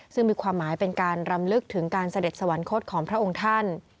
ซึ่งมีความหมายเป็นการรำลึกถึงการเสด็จสวรรคตของพระองค์ท่าน